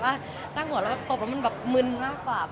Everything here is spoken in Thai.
กระชากหัวแล้วตบก็มึนมากกว่า